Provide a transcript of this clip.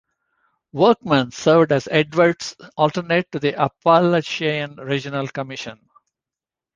Workman served as Edwards' alternate to the Appalachian Regional Commission.